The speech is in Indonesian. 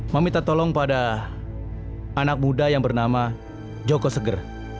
meminta tolong pada anak muda yang bernama joko seger